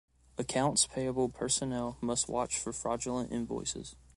Accounts payable personnel must watch for fraudulent invoices.